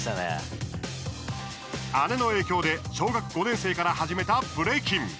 姉の影響で小学５年生から始めたブレイキン。